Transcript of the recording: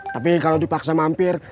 tapi kalau dipaksa mampir